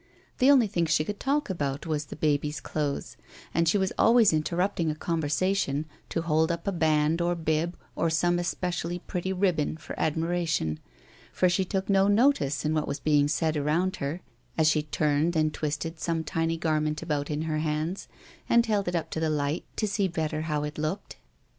The only thing she could talk about was the baby's clothes, and she was always interrupting a conversation to hold up a band, or bib, or some especially pretty ribbon for admiration, for she took no notice of what was being said around her as she turned and twisted some tiny garment about in her hands, and held it up to the light to see better how it looked.